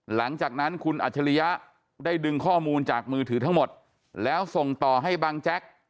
หลังจากนั้นคุณอัจฉริยะได้ดึงข้อมูลจากมือถือทั้งหมดแล้วส่งต่อให้บังแจ๊ก